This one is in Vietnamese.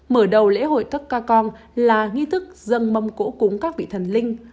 mở đầu lễ hội tắc cà con là nghi thức dân mông cổ cúng các vị thần linh